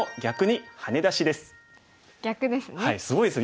逆ですね。